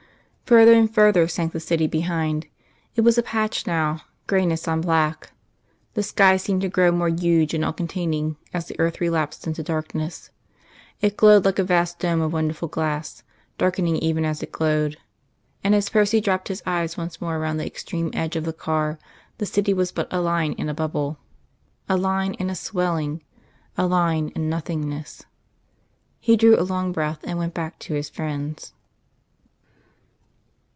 Further and further sank the city behind; it was a patch now: greyness on black. The sky seemed to grow more huge and all containing as the earth relapsed into darkness; it glowed like a vast dome of wonderful glass, darkening even as it glowed; and as Percy dropped his eyes once more round the extreme edge of the car the city was but a line and a bubble a line and a swelling a line, and nothingness. He drew a long breath, and went back to his friends.